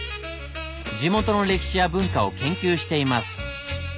地元の歴史や文化を研究しています。